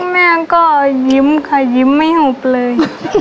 แม่ก็ยิ้มค่ะยิ้มไม่หุบเลย